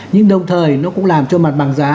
nhưng đồng thời nó cũng làm cho mặt bằng giá